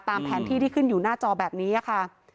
ตามแผนที่ที่ขึ้นอยู่หน้าจอแบบนี้ค่ะ